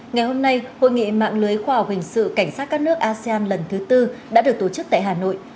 ngày hôm nay hội nghị mạng lưới khoa học hình sự cảnh sát các nước asean lần thứ tư đã được tổ chức tại hà nội